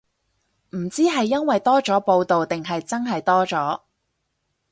唔知係因為多咗報導定係真係多咗